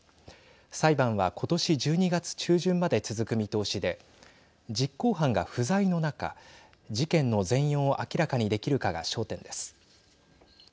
裁判は、今年１２月中旬まで続く見通しで実行犯が不在の中事件の全容を明らかにできるかが焦点です。